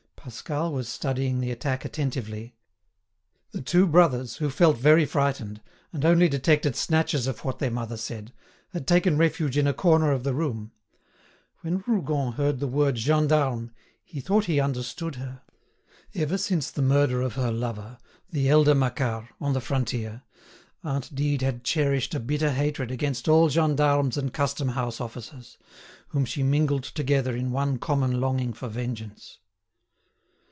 Pascal was studying the attack attentively. The two brothers, who felt very frightened, and only detected snatches of what their mother said, had taken refuge in a corner of the room. When Rougon heard the word gendarme, he thought he understood her. Ever since the murder of her lover, the elder Macquart, on the frontier, aunt Dide had cherished a bitter hatred against all gendarmes and custom house officers, whom she mingled together in one common longing for vengeance.